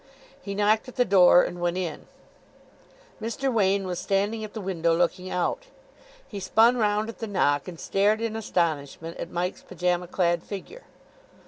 He knocked at the door, and went in. Mr. Wain was standing at the window, looking out. He spun round at the knock, and stared in astonishment at Mike's pyjama clad figure.